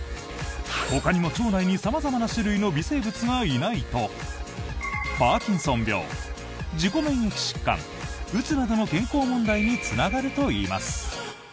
ほかにも腸内に様々な種類の微生物がいないとパーキンソン病、自己免疫疾患うつなどの健康問題につながるといいます。